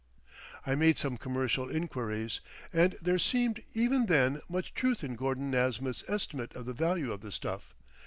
I made some commercial inquiries, and there seemed even then much truth in Gordon Nasmyth's estimate of the value of the stuff.